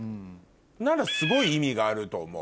ならすごい意味があると思う。